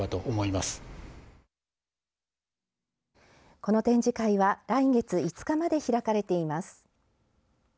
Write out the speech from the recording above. この展示会は来月５日まで開かれています。